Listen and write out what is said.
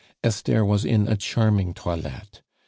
Esther was in a charming toilette.